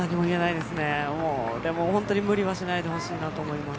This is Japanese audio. でも本当に無理はしないでほしいなと思います。